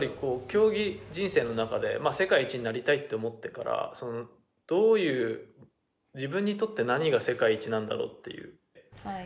競技人生の中で世界一になりたいって思ってからどういう、自分にとって何が世界一なんだろうっていう。